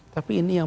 tapi ini yang